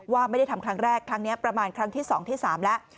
ว่าไม่ได้ทำครั้งแรกครั้งนี้ประมาณครั้งที่๒ที่๓แล้ว